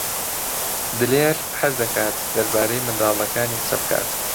دلێر حەز دەکات دەربارەی منداڵەکانی قسە بکات.